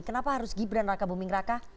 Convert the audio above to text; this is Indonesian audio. kenapa harus gibran raka buming raka